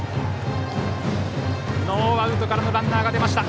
ノーアウトからのランナーが出ました